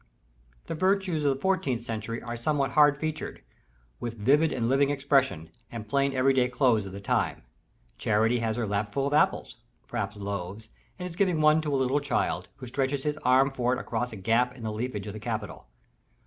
The Virtues of the fourteenth century are somewhat hard featured; with vivid and living expression, and plain every day clothes of the time. Charity has her lap full of apples (perhaps loaves), and is giving one to a little child, who stretches his arm for it across a gap in the leafage of the capital.